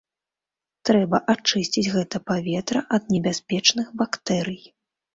Трэба ачысціць гэта паветра ад небяспечных бактэрый.